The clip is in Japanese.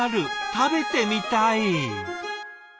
食べてみたい。